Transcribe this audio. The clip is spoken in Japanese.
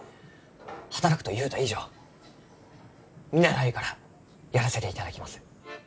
「働く」と言うた以上見習いからやらせていただきます。